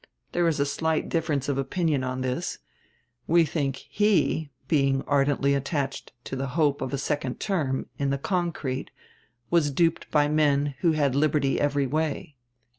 There is a slight difference of opinion on this. We think he, being ardently attached to the hope of a second term, in the concrete, was duped by men who had liberty every way.